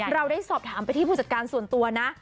เราได้สอบถามไปที่ผู้จัดการส่วนตัวนะ